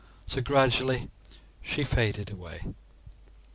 So, gradually she faded away.